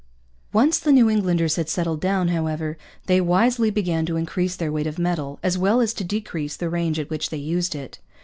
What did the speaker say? Once the New Englanders had settled down, however, they wisely began to increase their weight of metal, as well as to decrease the range at which they used it.